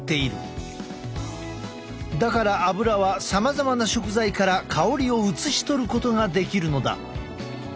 だからアブラはさまざまな食材から香りを移しとることができるのだ。